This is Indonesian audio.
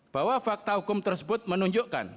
bahwa fakta hukum tersebut menunjukkan